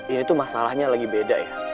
ini tuh masalahnya lagi beda ya